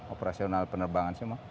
operasional penerbangan semua